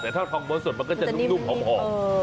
แต่ถ้าทองม้วนสดมันก็จะนุ่มหอม